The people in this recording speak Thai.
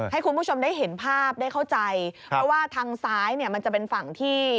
ให้คุณผู้ชมได้เห็นภาพได้เข้าใจเพราะว่าทางซ้ายเนี่ยมันจะเป็นฝั่งที่